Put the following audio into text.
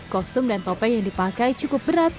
kostum dan topeng yang dipakai cukup berat